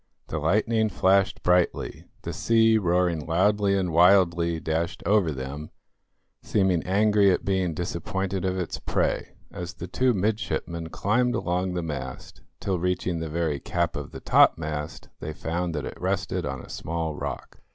The lightning flashed brightly, the sea, roaring loudly and wildly, dashed over them, seeming angry at being disappointed of its prey, as the two midshipmen climbed along the mast, till, reaching the very cap of the topmast, they found that it rested on a small rock.